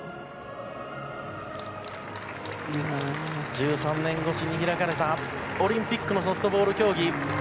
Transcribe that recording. １３年越しに開かれたオリンピックのソフトボール競技。